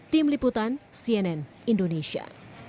tim liputan cnn indonesia